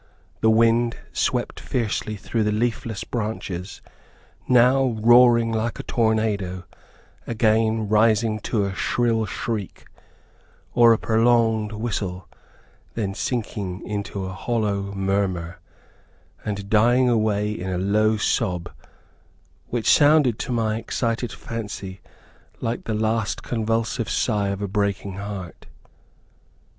The wind swept fiercely through the leafless branches, now roaring like a tornado, again rising to a shrill shriek, or a prolonged whistle, then sinking to a hollow murmer, and dying away in a low sob which sounded to my excited fancy like the last convulsive sigh of a breaking heart.